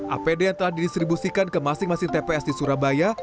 apd yang telah didistribusikan ke masing masing tps di surabaya